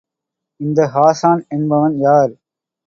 இந்த ஹாஸான் என்பவன் யார்?